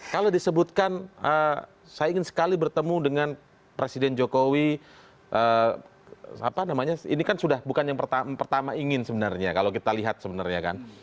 kalau disebutkan saya ingin sekali bertemu dengan presiden jokowi ini kan sudah bukan yang pertama ingin sebenarnya kalau kita lihat sebenarnya kan